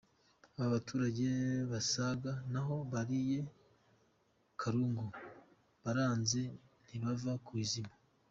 Aba baturage basaga n’aho bariye karungu baranze ntibava ku izima.